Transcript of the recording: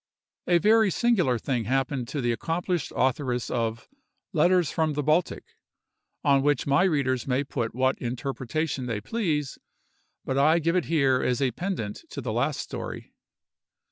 A very singular thing happened to the accomplished authoress of "Letters from the Baltic," on which my readers may put what interpretation they please, but I give it here as a pendant to the last story.